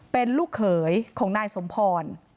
เป็นลูกเขยของนายสมพร